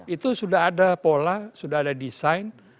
itu sudah ada pola sudah ada desain